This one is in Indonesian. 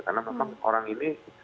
karena orang ini